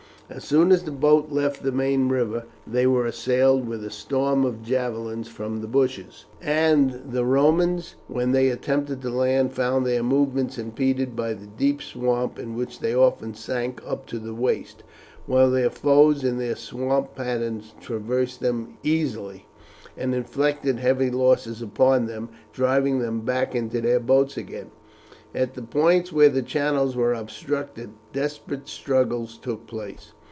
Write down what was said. As soon as the boats left the main river, they were assailed with a storm of javelins from the bushes, and the Romans, when they attempted to land, found their movements impeded by the deep swamp in which they often sank up to the waist, while their foes in their swamp pattens traversed them easily, and inflicted heavy losses upon them, driving them back into their boats again. At the points where the channels were obstructed desperate struggles took place.